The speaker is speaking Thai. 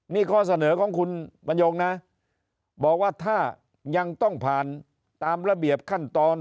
นี่ข้อเสนอของคุณบรรยงนะบอกว่าถ้ายังต้องผ่านตามระเบียบขั้นตอน